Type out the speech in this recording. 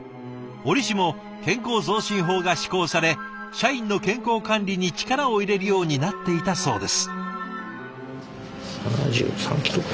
折しも健康増進法が施行され社員の健康管理に力を入れるようになっていたそうです。